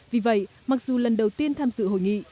vì vậy mặc dù lần đầu tiên tham dự hội nghị